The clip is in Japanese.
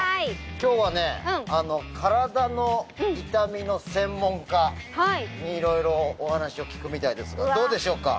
今日は体の痛みの専門家に色々お話を聞くみたいですがどうでしょうか。